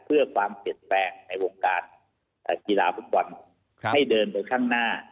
เพื่อความเปลี่ยนแปลงในวงการกีฬาฟุตบอลให้เดินไปข้างหน้า